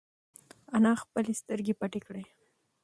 انا خپلې سترگې پټې کړې.